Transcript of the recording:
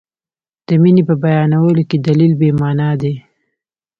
د مینې په بیانولو کې دلیل بې معنا دی.